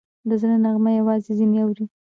د زړه نغمه یوازې ځینې اوري